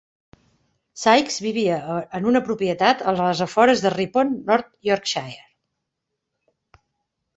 Sykes vivia en una propietat als afores de Ripon, North Yorkshire.